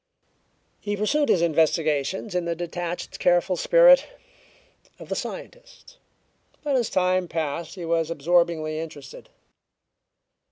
He pursued his investigations in the detached, careful spirit of the scientist, but as time passed he was absorbingly interested.